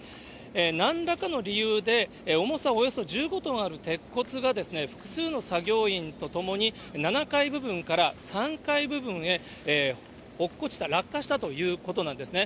なんらかの理由で、重さおよそ１５トンある鉄骨が複数の作業員と共に、７階部分から３階部分へ落っこちた、落下したということなんですね。